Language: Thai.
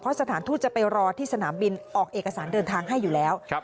เพราะสถานทูตจะไปรอที่สนามบินออกเอกสารเดินทางให้อยู่แล้ว